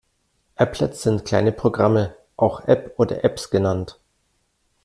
Applets sind kleine Programme, auch App oder Apps genannt.